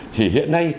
thì hiện nay